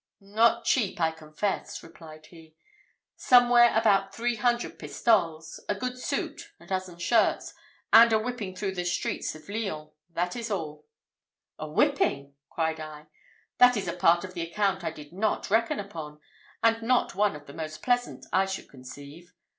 "Not cheap, I confess," replied he: "somewhere about three hundred pistoles, a good suit, a dozen of shirts, and a whipping through the streets of Lyons that is all." "A whipping!" cried I; "that is a part of the account I did not reckon upon, and not one of the most pleasant, I should conceive.